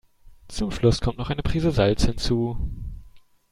Zum Schluss kommt noch eine Prise Salz hinzu.